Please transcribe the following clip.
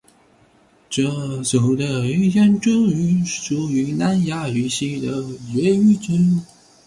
哲族的语言哲语属于南亚语系的越语支。